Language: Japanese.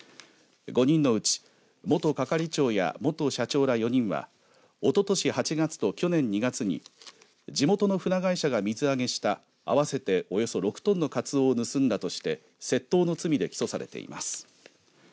５人のうち元係長や元社長らは４人はおととし８月と去年２月に地元の船会社が水揚げした合わせておよそ６トンのカツオを盗んだとして窃盗の罪で起訴されています。